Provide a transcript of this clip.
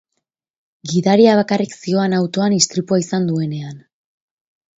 Gidaria bakarrik zihoan autoan istripua izan duenean.